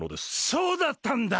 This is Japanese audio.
そうだったんだ！